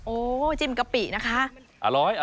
โอ้ยจิ้มกะปินะคะ